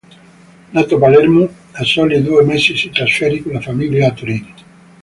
Nato a Palermo, a soli due mesi si trasferì con la famiglia a Torino.